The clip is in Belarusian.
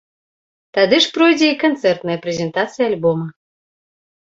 Тады ж пройдзе і канцэртная прэзентацыя альбома.